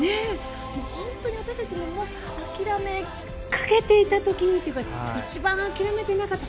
本当に私たちも諦めかけていた時にというか一番諦めてなかった